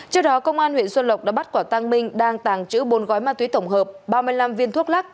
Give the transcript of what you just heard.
trước đó công an huyện xuân lộc đã bắt quả tăng minh đang tàng trữ bốn gói ma túy tổng hợp ba mươi năm viên thuốc lắc